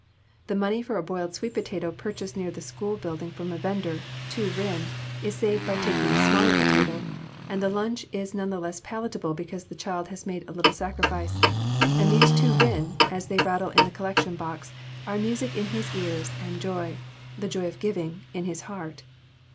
The money for a boiled sweet potato purchased near the school building from a vendor, two rin, is saved by taking a smaller potato, and the lunch is none the less palatable because the child has made a little sacrifice, and these two rin, as they rattle in the collection box, are music in his ears and joy the joy of giving, in his heart.